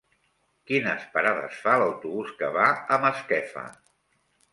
Quines parades fa l'autobús que va a Masquefa?